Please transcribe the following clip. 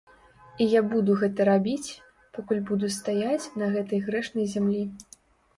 І я буду гэта рабіць, пакуль буду стаяць на гэтай грэшнай зямлі.